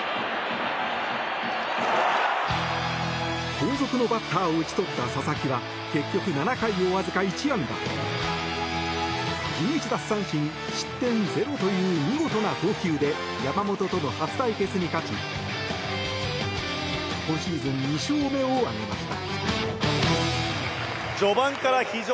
後続のバッターを打ち取った佐々木は結局７回をわずか１安打１１奪三振、失点０という見事な投球で山本との初対決に勝ち今シーズン２勝目を挙げました。